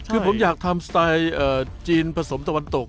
คือผมอยากทำสไตล์จีนผสมตะวันตก